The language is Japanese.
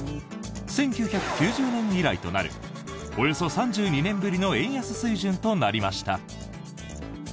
１９９０年以来となるおよそ３２年ぶりの円安水準となりました。